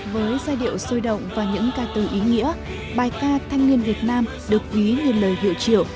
với giai điệu sôi động và những ca từ ý nghĩa bài ca thanh niên việt nam được ví như lời hiệu triệu